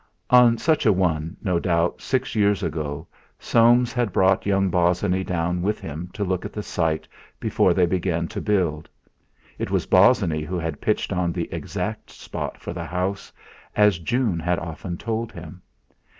On just such a one, no doubt, six years ago, Soames had brought young Bosinney down with him to look at the site before they began to build. It was Bosinney who had pitched on the exact spot for the house as June had often told him.